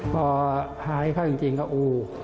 พอหายเขาจริงก็อู๋